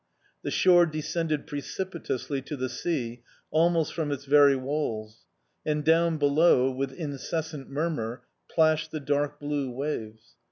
The shore descended precipitously to the sea, almost from its very walls, and down below, with incessant murmur, plashed the dark blue waves.